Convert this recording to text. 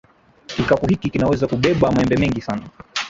Kikapu hiki kinaweza kubeba maembe mengi sana.